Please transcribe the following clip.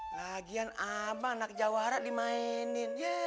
lagian abang anak jawara dimainin